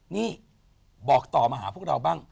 นี่บอกต่อมาหาพวกเราบ้าง